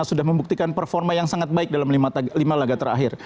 sudah membuktikan performa yang sangat baik dalam lima laga terakhir